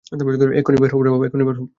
এক্ষুণি বের হও।